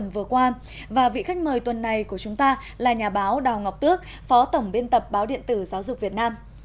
vừa qua và vị khách mời tuần này của chúng ta là nhà báo đào ngọc tước phó tổng biên tập báo điện tử giáo dục việt nam